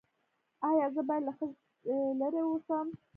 ایا زه باید له ښځې لرې اوسم؟